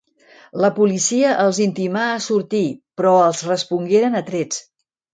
La policia els intimà a sortir, però els respongueren a trets.